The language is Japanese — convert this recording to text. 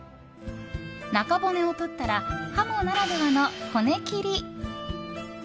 中骨を取ったらハモならではの骨切り。